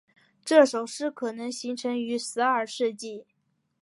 这首诗可能形成于十二世纪。